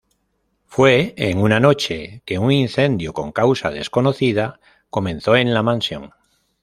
Fue en una noche que un incendio con causa desconocida comenzó en la mansión.